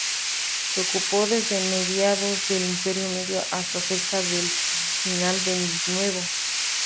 Se ocupó desde mediados del Imperio Medio hasta cerca del final del Nuevo.